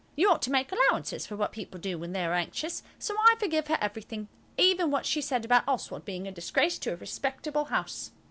You ought to make allowances for what people do when they are anxious, so I forgive her everything, even what she said about Oswald being a disgrace to a respectable house.